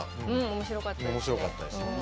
面白かったですね。